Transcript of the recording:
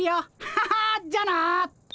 ハハじゃあな。